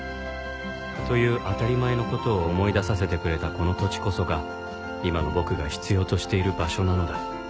という当たり前の事を思い出させてくれたこの土地こそが今の僕が必要としている場所なのだ